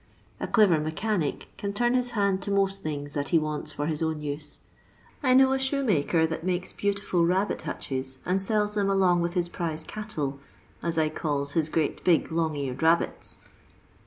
A clever mechanic can turn his hand to most things that he wants for his own use. I know a shoe maker that makes beautiful rabbit hutches and sella them along with hia prize cattle, aa I calla hia great big long eared rabbita.